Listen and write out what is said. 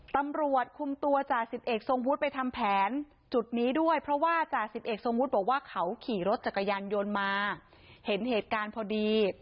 ตำรวจคุมตัวจ่าสิบเอกทรงวุฒิไปทำแผนจุดนี้ด้วยเพราะว่าจ่าสิบเอกทรงวุฒิบอกว่าเขาขี่รถจักรยานยนต์มาเห็นเหตุการณ์พอดี